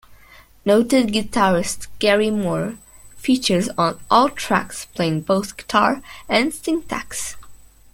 Noted guitarist Gary Moore features on all tracks playing both guitar and synthaxe.